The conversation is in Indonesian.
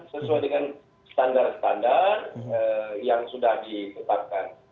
sesuai dengan standar standar yang sudah ditetapkan